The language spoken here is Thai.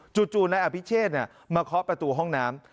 จู่นายอภิเชษมาเคาะประตูห้องน้ำ